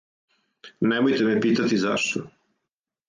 Немојте ме питати зашто.